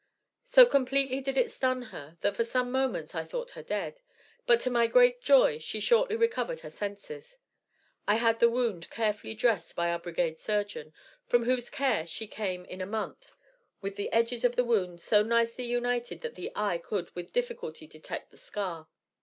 So completely did it stun her, that for some moments I thought her dead, but to my great joy she shortly recovered her senses. I had the wound carefully dressed by our brigade surgeon, from whose care she came in a month with the edges of the wound so nicely united that the eye could with difficulty detect the scar.